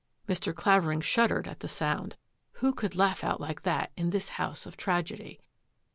Mr. Clavering shuddered at the sound. Who could laugh out like that in this house of tragedy?